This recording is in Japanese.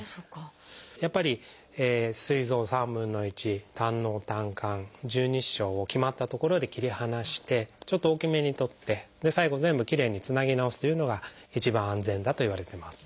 やっぱりすい臓３分の１胆のう胆管十二指腸を決まった所で切り離してちょっと大きめに取って最後全部きれいにつなぎ直すというのが一番安全だといわれてます。